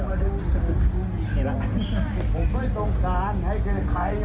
ไม่รู้นะผมเนี่ยเป็นละห่วงร้อยเป็นใคร